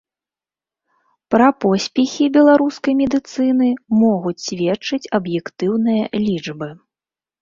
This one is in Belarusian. Пра поспехі беларускай медыцыны могуць сведчыць аб'ектыўныя лічбы.